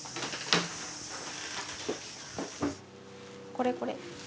これこれ。